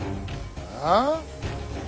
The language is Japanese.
ああ？